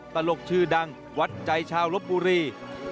ตลกชื่อดังวัดใจชาวลบบุรี